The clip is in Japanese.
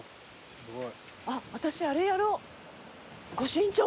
すごい！